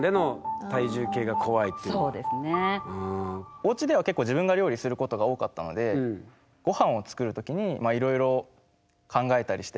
おうちでは結構自分が料理することが多かったのでごはんを作る時にまあいろいろ考えたりして。